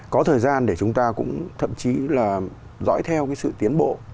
có thời gian để chúng ta cũng thậm chí là dõi theo cái sự tiến bộ